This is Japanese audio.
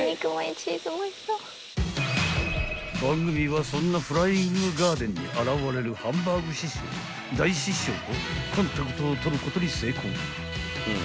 ［番組はそんなフライングガーデンに現れるハンバーグ師匠大師匠とコンタクトを取ることに成功］